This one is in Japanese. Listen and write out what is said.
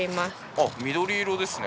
あっ緑色ですね。